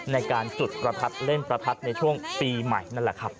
ในการจุดประทัดเล่นประทัดในช่วงปีใหม่นั่นแหละครับ